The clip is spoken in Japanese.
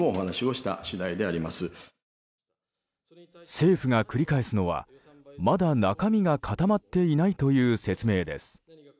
政府が繰り返すのはまだ中身が固まっていないという説明です。